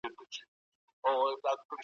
پر ځای په فريب او دهوکه سره نژدې څلور کاله